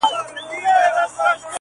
هر چيري چي ولاړ سې، دغه حال دئ.